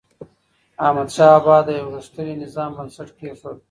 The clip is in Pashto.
احمدشاه بابا د یو غښتلي نظام بنسټ کېښود.